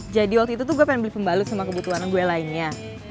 jadi waktu itu gue pengen beli pembalut sama kebutuhanan gue lainnya